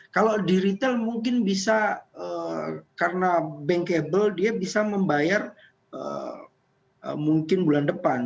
kalau di retail mungkin bisa karena bankable dia bisa membayar mungkin bulan depan